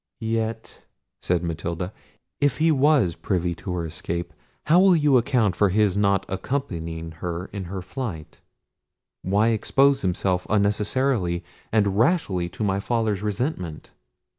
"Yet," said Matilda, "if he was privy to her escape, how will you account for his not accompanying her in her flight? why expose himself unnecessarily and rashly to my father's resentment?"